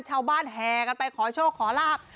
ชาวบ้านแห่กันไปขอโชคขอลาบ